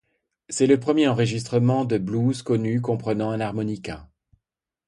C'est le premier enregistrement de blues connu comprenant un harmonica.